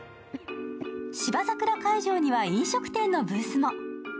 芝桜会場には飲食店のブースも。